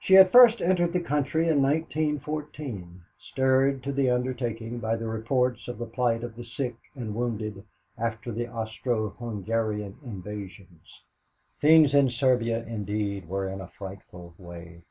She had first entered the country in 1914, stirred to the undertaking by the reports of the plight of the sick and wounded after the Austro Hungarian invasions. Things in Serbia, indeed, were in a frightful way.